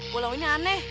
pulau ini aneh